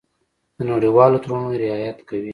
د نړیوالو تړونونو رعایت کوي.